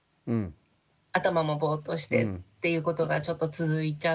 頭もぼっとしてっていうことがちょっと続いちゃう。